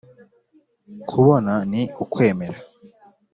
kubona ni ukwemera